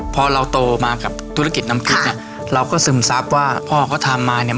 พอเราโตมากับธุรกิจอังกฤษเนี้ยค่ะเราก็ซึมซับว่าพ่อก็ทำมาเนี้ย